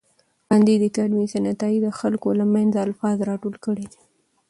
کانديد اکاډميسن عطايي د خلکو له منځه الفاظ راټول کړي دي.